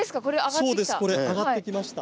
そうですこれ上がってきました。